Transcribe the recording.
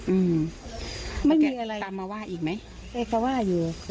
อืมไม่มีอะไรตามมาว่าอีกไหมเอ๊ก็ว่าอยู่